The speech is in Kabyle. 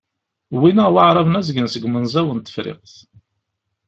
Wwin-aɣ Waεraben azgen seg umenẓaw n Tefriqt.